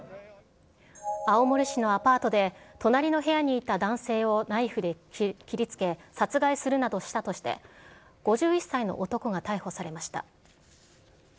青森市のアパートで、隣の部屋にいた男性をナイフで切りつけ、殺害するなどしたとして、５１歳の男が逮捕されました。